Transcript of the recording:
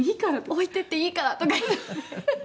「“置いていっていいから”とか」「ハハハハ」